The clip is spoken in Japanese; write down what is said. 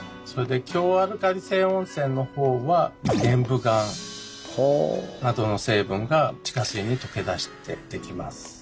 それで強アルカリ性温泉のほうは玄武岩などの成分が地下水に溶け出してできます。